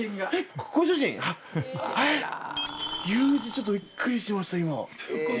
ちょっとビックリしました今。